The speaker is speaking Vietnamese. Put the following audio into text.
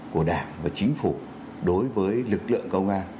của đảng và chính phủ đối với lực lượng công an